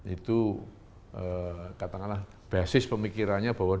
itu katakanlah basis pemikirannya bahwa